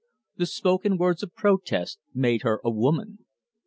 The spoken words of protest made her a woman.